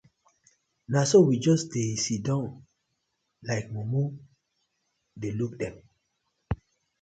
Na so we just dey siddon like mumu dey look dem.